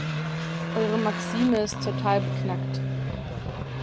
Eure Maxime ist total beknackt.